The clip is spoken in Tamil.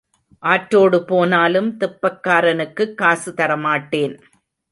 ஆற்றோடு போனாலும் தெப்பக்காரனுக்குக் காசு தர மாட்டேன்.